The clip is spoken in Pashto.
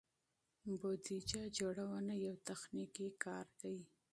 بودیجه جوړونه یو تخنیکي کار دی.